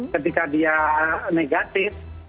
ketika dia negatif